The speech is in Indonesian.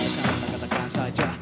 janganlah katakan katakan saja